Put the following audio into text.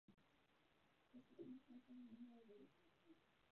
此吧因嘲讽李毅而建立。